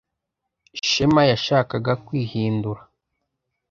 Shema yashakaga kwihindura.